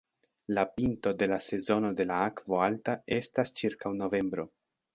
La pinto de la sezono de la akvo alta estas ĉirkaŭ novembro.